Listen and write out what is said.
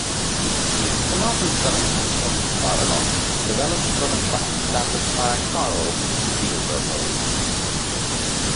The modern settlement of Bariloche developed from a shop established by Carlos Wiederhold.